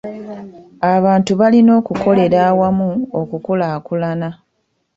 Abantu balina okukolere awamu okukulaakulana.